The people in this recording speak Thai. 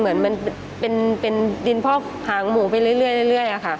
เหมือนมันเป็นดินพอกหางหมูไปเรื่อยค่ะ